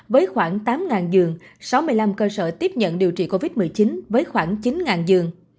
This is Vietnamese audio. với khoảng tám giường sáu mươi năm cơ sở tiếp nhận điều trị covid một mươi chín với khoảng chín giường